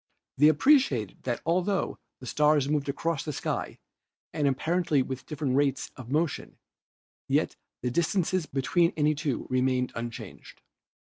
They appreciated that altho the stars moved across the sky and apparently with different rates of motion, yet the distances between any two remained unchanged.